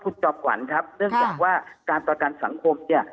คุณจอมขวัญครับเนื่องจากว่าการประกันสังคมเนี่ย